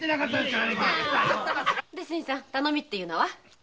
で新さん頼みってのは？